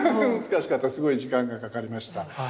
すごい時間がかかりました。